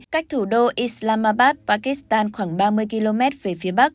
cách thủ đô islamabad pakistan khoảng ba mươi km về phía bắc